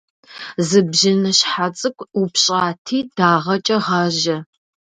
Зы бжьыныщхьэ цӏыкӏу упщӏати дагъэкӏэ гъажьэ.